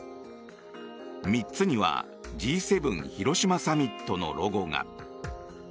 ３つにはＧ７広島サミットのロゴが。